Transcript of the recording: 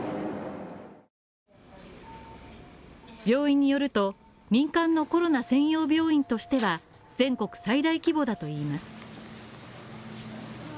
病院によると、民間のコロナ専用病院としては全国最大規模だといいます。